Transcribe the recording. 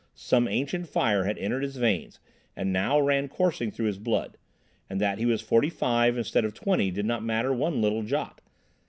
Some ancient fire had entered his veins, and now ran coursing through his blood; and that he was forty five instead of twenty did not matter one little jot.